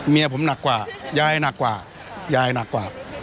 เมียผมหนักกว่ายายหนักกว่ายายหนักกว่า